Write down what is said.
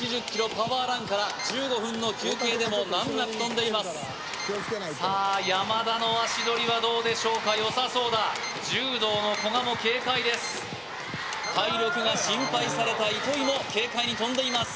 パワーランから１５分の休憩でも難なく跳んでいますさあ山田の足取りはどうでしょうかよさそうだ柔道の古賀も軽快です体力が心配された糸井も軽快に跳んでいます